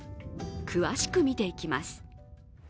詳しく見ていきます。